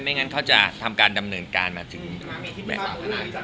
ไม่งั้นเขาจะทำการดำเนินการมาถึงแม่ต่อขนาดนี้